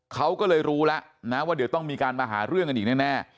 เขาก็เลยรู้แล้วนะว่าเดี๋ยวต้องมีการมาหาเรื่องกันอีกแน่